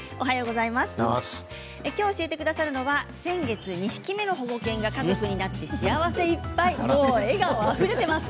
きょう教えてくださるのは先月２匹目の保護犬が家族になって幸せいっぱい笑顔あふれています。